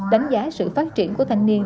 đánh giá sự phát triển của thanh niên